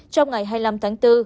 trong ngày hai mươi năm tháng bốn